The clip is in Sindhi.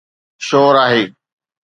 شور آهي.